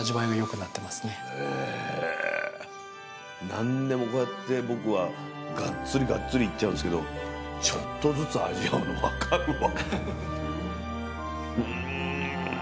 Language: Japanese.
何でもこうやって僕はガッツリガッツリいっちゃうんですけどちょっとずつ味わうの分かるわ。